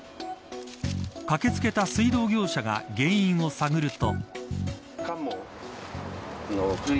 駆け付けた水道業者が原因を探ると。